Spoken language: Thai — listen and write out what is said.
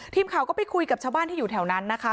ทีมข่าวก็ไปคุยกับชาวบ้านที่อยู่แถวนั้นนะคะ